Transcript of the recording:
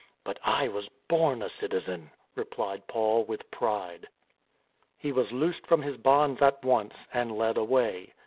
" But I was born a citizen," replied Paul with pride. He was loosed from his bonds at once, and led away.